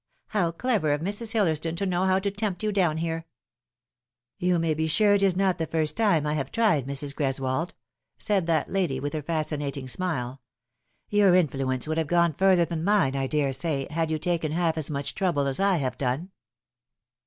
How clever of Mrs. Hillersdon to know how to tempt you down here !"" You may be sure it is not the first time I have tried, Mrs. Greswold," said that lady, with her fascinating smile. " Your influence would have gone further than mine, I daresay, had you taken half as much trouble as I have done."